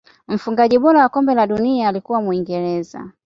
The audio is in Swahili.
mfungaji bora wa kombe la dunia alikuwa muingereza